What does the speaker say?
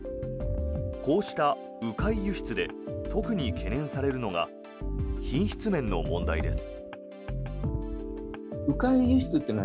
こうした迂回輸出で特に懸念されるのが品質面の問題です。